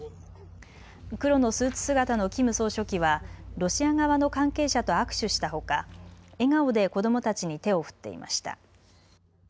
黒のスーツ姿のキム総書記はロシア側の関係者と握手したほか笑顔で子どもたちに手を振っていました。